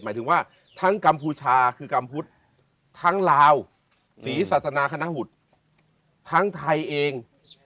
หมายถึงว่าทั้งกัมพูชาคือกัมพุทธทั้งลาวศรีศาสนาคณะหุดทั้งไทยเอง